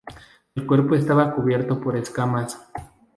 El cuerpo estaba cubierto por escamas.